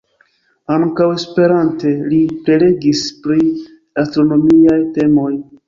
Ankaŭ Esperante li prelegis pri astronomiaj temoj.